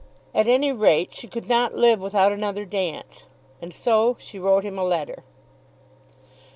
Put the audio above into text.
At any rate she could not live without another dance. And so she wrote him a letter.